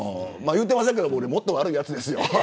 言うてませんけど俺はもっと悪いやつですよ。